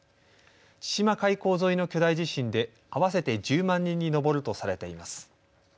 千島海溝沿いの巨大地震で合わせて１０万人に上るとされています。